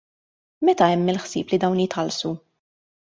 Meta hemm il-ħsieb li dawn jitħallsu?